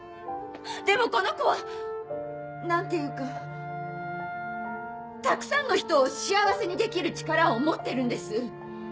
でもこの子は何ていうかたくさんの人を幸せにできる力を持ってるんです。